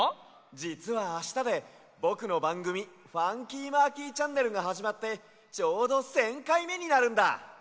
じつはあしたでぼくのばんぐみ「ファンキーマーキーチャンネル」がはじまってちょうど１，０００かいめになるんだ！